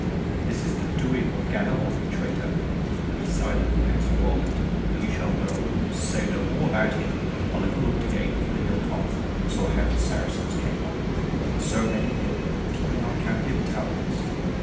This is the doing of Ganelon the traitor." "Be silent," answered Roland, "till you shall know; say no more about him." Oliver looked again from the hilltop, and saw how the Saracens came on. So many there were that he could not count their battalions.